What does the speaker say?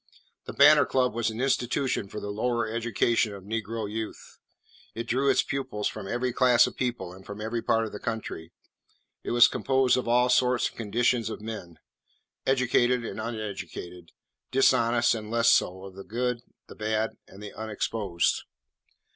The Banner Club was an institution for the lower education of negro youth. It drew its pupils from every class of people and from every part of the country. It was composed of all sorts and conditions of men, educated and uneducated, dishonest and less so, of the good, the bad, and the unexposed.